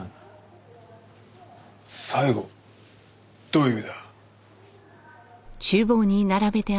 どういう意味だ？